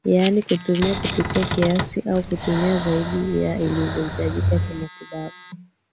yaani kutumia kupita kiasi au kutumia zaidi ya invyohitajika kimatibabu